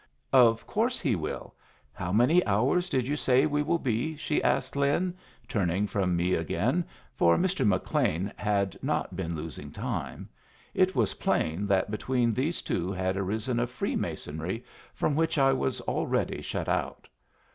"Of course he will! How many hours did you say we will be?" she asked Lin, turning from me again, for Mr. McLean had not been losing time. It was plain that between these two had arisen a freemasonry from which I was already shut out.